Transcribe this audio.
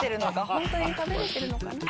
ホントに食べられてるのかな？